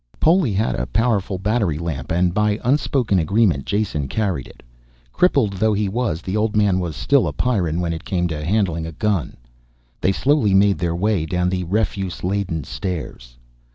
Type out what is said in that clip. Poli had a powerful battery lamp and, by unspoken agreement, Jason carried it. Crippled though he was, the old man was still a Pyrran when it came to handling a gun. They slowly made their way down the refuse laden stairs.